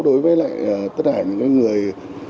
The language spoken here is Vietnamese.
đối với tất cả những người